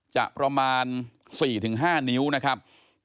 จะประมาณ๔๕นิ้วนะครับ